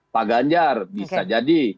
pak ganjar bisa jadi